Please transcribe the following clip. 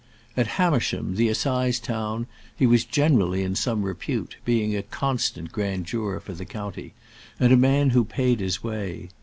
At Hamersham, the assize town, he was generally in some repute, being a constant grand juror for the county, and a man who paid his way.